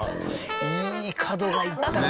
いい角がいったな。